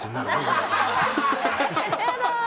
やだ！